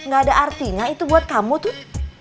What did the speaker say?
gak ada artinya itu buat kamu tuh